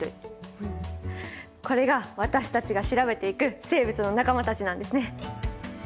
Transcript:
これが私たちが調べていく生物の仲間たちなんですね。